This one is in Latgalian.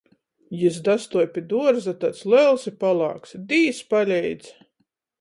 Jis dastuoj pi duorza, taids lels i palāks: "Dīs paleidz!"